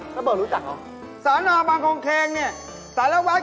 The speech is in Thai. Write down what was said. แล้วเป็นอะไร